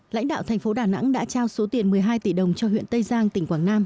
lãnh đạo thành phố đà nẵng đã trao số tiền một mươi hai tỷ đồng cho huyện tây giang tỉnh quảng nam